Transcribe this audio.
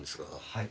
はい。